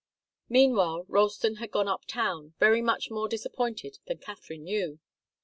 Meanwhile, Ralston had gone up town, very much more disappointed than Katharine knew.